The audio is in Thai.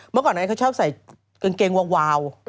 เมื่อก่อนไอซ์เขาชอบใส่กางเกงวาว